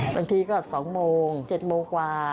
บางทีก็๒โมง๗โมงกว่า